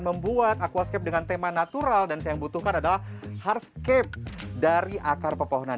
membuat aquascape dengan tema natural dan saya yang butuhkan adalah hardscape dari akar pepohonan